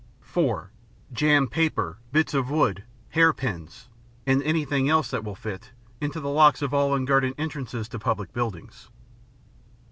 (4) Jam paper, bits of wood, hairpins, and anything else that will fit, into the locks of all unguarded entrances to public buildings.